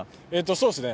そうですね。